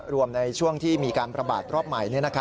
รวมในช่วงที่มีการประบาดรอบใหม่